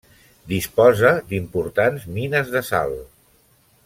Disposa d'importants mines de sal.